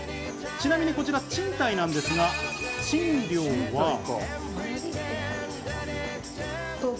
ちなみにこちら賃貸なんですが、賃料は。